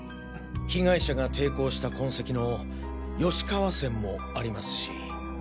被害者が抵抗した痕跡の吉川線もありますし。